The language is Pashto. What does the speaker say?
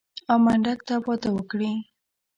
او منډک ته واده وکړي.